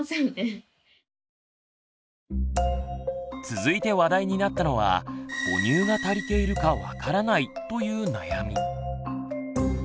続いて話題になったのは「母乳が足りているか分からない」という悩み。